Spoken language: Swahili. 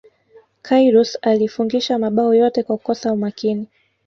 karius alifungisha mabao yote kwa kukosa umakini